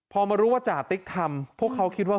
พอมารู้ว่าจ่าติ๊กทำพวกเขาคิดว่า